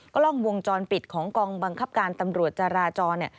กล้องวงจรปิดของกองบังคับการตำรวจจาราจรเนี่ย